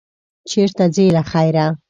چېرته ځې، له خیره؟